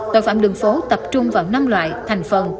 tội phạm đường phố tập trung vào năm loại thành phần